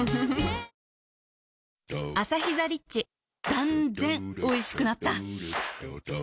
断然おいしくなった